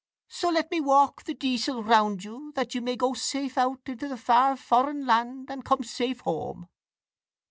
So let me walk the deasil round you, that you may go safe out into the far foreign land, and come safe home."